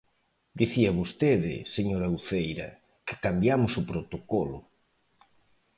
Dicía vostede, señora Uceira, que cambiamos o protocolo.